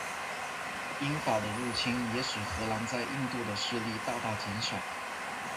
英法的入侵也使荷兰在印度的势力大大减少。